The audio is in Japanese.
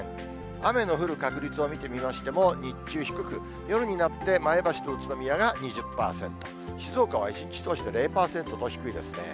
雨の降る確率を見てみましても、日中低く、夜になって、前橋と宇都宮が２０％、静岡は一日通して０％と低いですね。